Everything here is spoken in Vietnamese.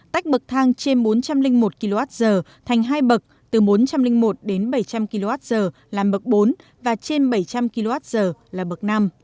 tách bậc thang trên bốn trăm linh một kwh thành hai bậc từ bốn trăm linh một đến bảy trăm linh kwh làm bậc bốn và trên bảy trăm linh kwh là bậc năm